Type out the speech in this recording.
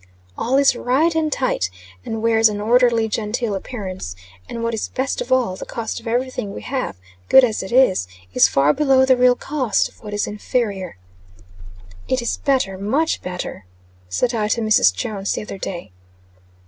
All is right and tight, and wears an orderly, genteel appearance; and what is best of all the cost of every thing we have, good as it is, is far below the real cost of what is inferior. "It is better much better," said I to Mrs. Jones, the other day.